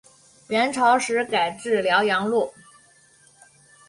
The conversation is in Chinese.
元朝时改置辽阳路。